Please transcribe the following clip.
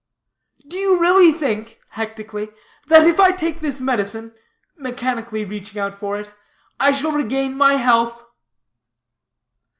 "Then you do really think," hectically, "that if I take this medicine," mechanically reaching out for it, "I shall regain my health?"